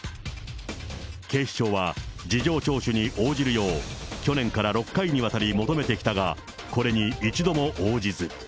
警視庁は、事情聴取に応じるよう、去年から６回にわたり求めてきたが、これに一度も応じず。